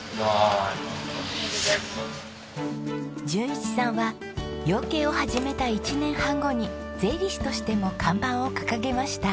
淳一さんは養鶏を始めた１年半後に税理士としても看板を掲げました。